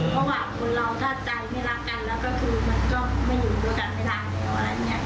เพราะว่าคนเราถ้าใจไม่รักกันแล้วก็คือมันก็ไม่อยู่ด้วยกันไม่ได้แล้วอะไรอย่างนี้